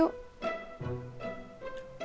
kenapa abah ninggalin wahyu